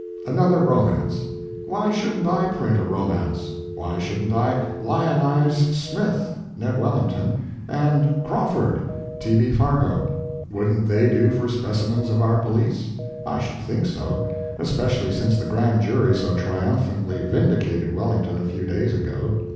ANOTHER ROMANCE Why shouldn't I print a romance? Why shouldn't I lionize "Smith" (Ned Wellington), and "Crawford" (T. B. Fargo)? Wouldn't they do for specimens of our police? I should think so—especially since the Grand Jury so triumphantly "vindicated" Wellington a few days ago.